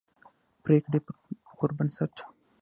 پرېکړې پربنسټ